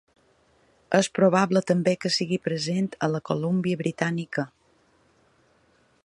És probable també que sigui present a la Colúmbia Britànica.